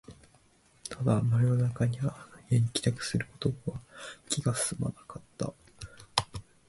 ただ、真夜中にあの家に帰宅することは気が進まなかった